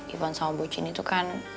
ivan sama bucin itu kan